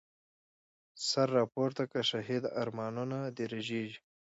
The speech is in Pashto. سر را پورته که شهیده، ارمانونه د رږیږی